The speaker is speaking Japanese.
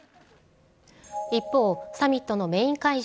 一方、サミットのメイン会場